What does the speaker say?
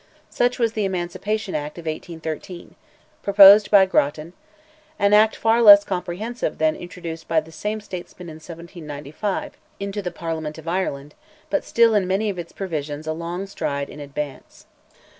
Such was the Emancipation Act of 1813, proposed by Grattan; an act far less comprehensive than that introduced by the same statesman in 1795, into the Parliament of Ireland, but still, in many of its provisions, a long stride in advance.